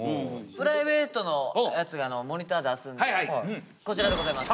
プライベートのやつモニター出すんでこちらでございます。